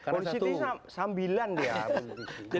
politiknya sambilan dia